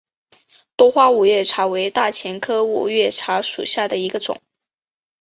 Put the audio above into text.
多花五月茶为大戟科五月茶属下的一个种。